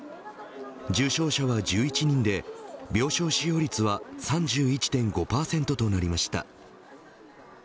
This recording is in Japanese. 重症者は１１人で病床使用率は３１．５％となりました。